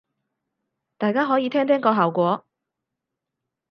大家可以聽聽個效果